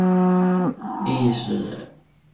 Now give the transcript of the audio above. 归驷桥的历史年代为清。